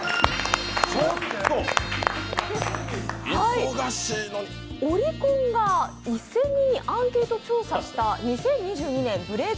忙しいのにオリコンが１０００人にアンケート調査した２０２２年ブレイク